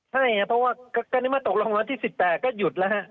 ใช่เพราะว่าการนี้มาตกลงร้อนที่๑๘ก็หยุดแล้วฮะ